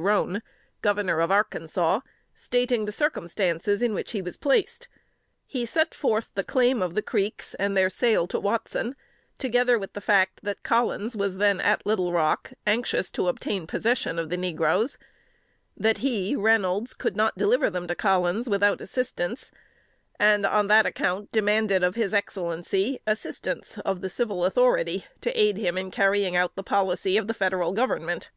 Roane, Governor of Arkansas, stating the circumstances in which he was placed. He set forth the claim of the Creeks, and their sale to Watson, together with the fact that Collins was then at Little Rock, anxious to obtain possession of the negroes; that he (Reynolds) could not deliver them to Collins without assistance, and on that account demanded of his Excellency assistance of the civil authority to aid him in carrying out the policy of the Federal Government.